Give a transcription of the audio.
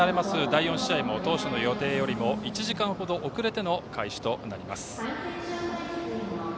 第４試合も当初の予定よりも１時間程遅れての開始となります。